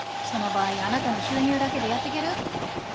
その場合あなたの収入だけでやっていける？